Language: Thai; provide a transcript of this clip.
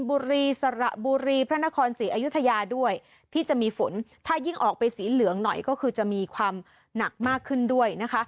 บุรีสระบุรีพระนครศรีอยุธยาด้วยที่จะมีฝนถ้ายิ่งออกไปสีเหลืองหน่อยก็คือจะมีความหนักมากขึ้นด้วยนะคะ